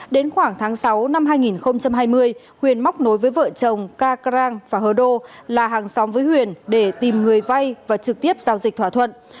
đến khoảng tháng sáu năm hai nghìn hai mươi huyền móc nối với vợ chồng ca carang và hờ đô là hàng xóm với huyền để tìm người vay và trực tiếp giao dịch thỏa thuận